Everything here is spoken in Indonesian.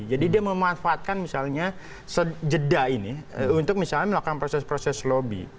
jadi dia memanfaatkan misalnya sejeda ini untuk misalnya melakukan proses proses lobby